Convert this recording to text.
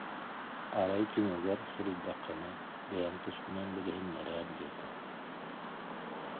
Арай түмүгэр, суруйдаххына, бэйэҥ тускунан билиһиннэрээр диэтэ